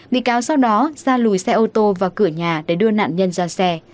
bị cáo sau đó ra lùi xe ô tô vào cửa nhà để đưa nạn nhân ra xe